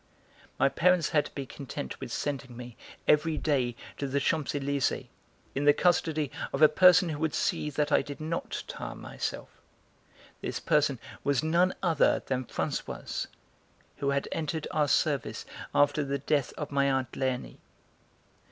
My parents had to be content with sending me, every day, to the Champs Elysées, in the custody of a person who would see that I did not tire myself; this person was none other than Françoise, who had entered our service after the death of my aunt Léonie.